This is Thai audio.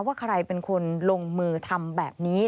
ว่าใครเป็นคนลงมือทำแบบนี้